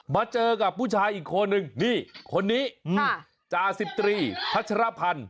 มาเจอกับผู้ชายอีกคนนึงนี่คนนี้จาสิบตรีพัชรพันธ์